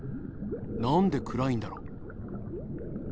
何で暗いんだろう。